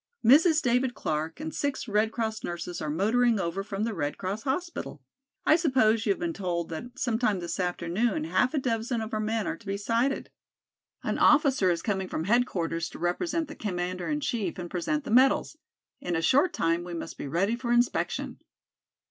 "Mrs. David Clark and six Red Cross nurses are motoring over from the Red Cross hospital. I suppose you have been told that sometime this afternoon half a dozen of our men are to be cited. An officer is coming from headquarters to represent the commander in chief, and present the medals. In a short time we must be ready for inspection."